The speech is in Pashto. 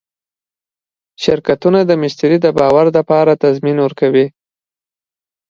شرکتونه د مشتری د باور لپاره تضمین ورکوي.